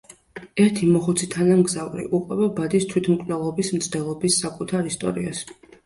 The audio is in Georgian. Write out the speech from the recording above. ერთი მოხუცი თანამგზავრი უყვება ბადის თვითმკვლელობის მცდელობის საკუთარ ისტორიას.